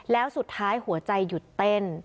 แล้วสุดท้ายหัวใจหยุดเต้น